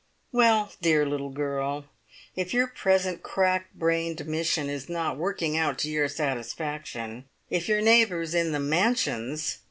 "Well, dear little girl, if your present crack brained mission is not working out to your satisfaction, if your neighbours in the `Mansions'